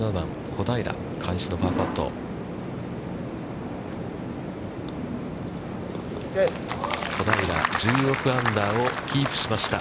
小平、１６アンダーをキープしました。